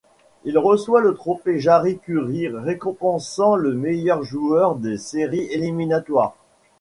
Il reçoit le Trophée Jari-Kurri récompensant le meilleur joueur des séries éliminatoires.